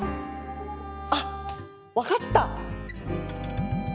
あっ分かった！